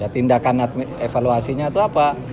tindakan evaluasinya itu apa